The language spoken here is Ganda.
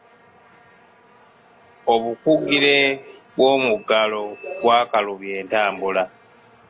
Obukugire bw'omuggalo bwakalubya entambula.